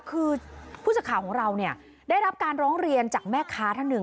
คือผู้สื่อข่าวของเราเนี่ยได้รับการร้องเรียนจากแม่ค้าท่านหนึ่ง